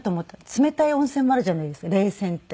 冷たい温泉もあるじゃないですか冷泉って。